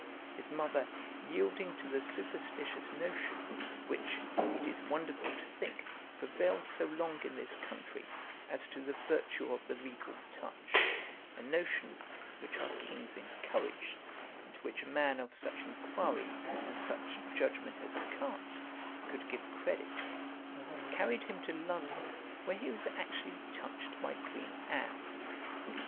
His mother yielding to the superstitious notion, which, it is wonderful to think, prevailed so long in this country, as to the virtue of the regal touch; a notion, which our kings encouraged, and to which a man of such inquiry and such judgement as Carte could give credit; carried him to London, where he was actually touched by Queen Anne.